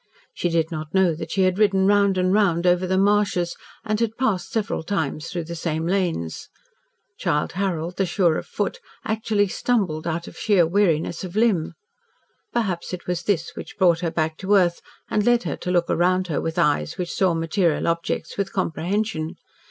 She did not know that she had ridden round and round over the marshes, and had passed several times through the same lanes. Childe Harold, the sure of foot, actually stumbled, out of sheer weariness of limb. Perhaps it was this which brought her back to earth, and led her to look around her with eyes which saw material objects with comprehension.